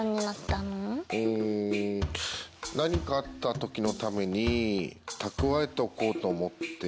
うん何かあった時のために蓄えておこうと思って。